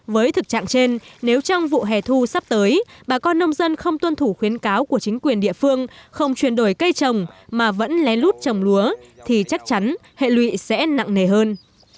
với thực trạng trên nếu trong vụ hè thu sắp tới bà con nông dân không tuân thủ khuyến cáo của chính quyền địa phương không chuyển đổi cây trồng mà vẫn lén lút trồng lúa thì chắc chắn hệ lụy sẽ nặng nề hơn